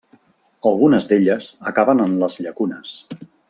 Algunes d'elles acaben en les llacunes.